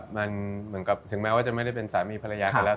มันถึงแม้ว่าจะไม่ได้เป็นสามีภรรยากันแล้ว